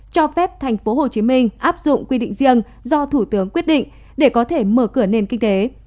cho phép tp hcm áp dụng quy định riêng do thủ tướng quyết định để có thể mở cửa nền kinh tế